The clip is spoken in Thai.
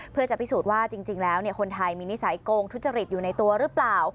เพื่อจะพิสูจน์ว่าจริงแล้วคนไทยมีนิสัยโกงทุจริตอยู่ในตัวหรือเปล่า